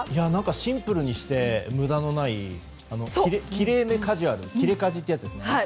シンプルにして無駄のないきれいめカジュアルキレカジってやつですね。